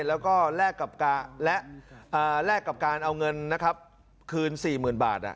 แล้วก็แลกกับการเอาเงินนะครับคืน๔๐๐๐บาท